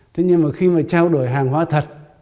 thế nhưng mà khi mà trao đổi hàng hóa thật